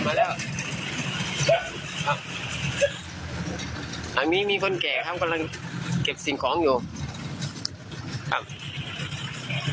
มาแล้วครับอันนี้มีคนแก่ครับกำลังเก็บสิ่งของอยู่ครับ